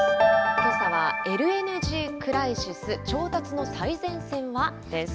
けさはＬＮＧクライシス調達の最前線はです。